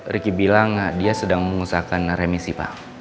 ricky bilang dia sedang mengusahakan remisi pak